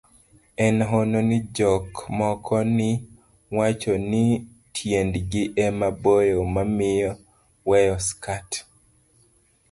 en hono ni jok moko ni wacho ni tiendegi ema boyo mamiyo weyo skat